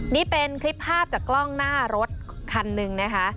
นี่เป็นคลิปภาพจากกล้องหน้ารถคันหนึ่งนะคะ